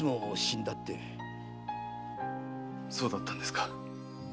そうだったんですか。